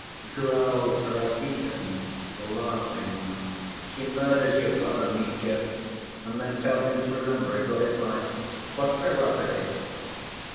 growled Rakitin, laughing, "she murders your brother Mitya and then tells him to remember it all his life! What ferocity!"